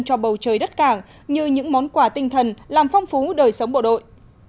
cho bầu trời đất cảng như những món quà tinh thần làm phong phú đời sống bộ đội